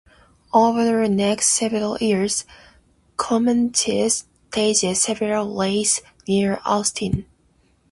Over the next several years, Comanches staged several raids near Austin.